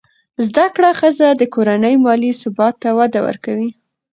زده کړه ښځه د کورنۍ مالي ثبات ته وده ورکوي.